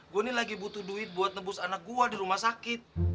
gua nih lagi butuh duit buat nebus anak gua di rumah sakit